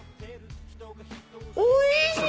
おいしい！